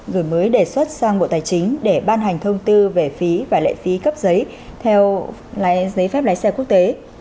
gửi mới đề xuất sang bộ tài chính để ban hành thông tư về phí và lệ phí cấp giấy theo giấy phép lái xe quốc tế